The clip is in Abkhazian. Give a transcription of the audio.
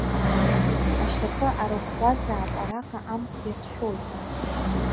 Ашьапы арыӷәӷәазаап, араҟа амц иацәшәоит…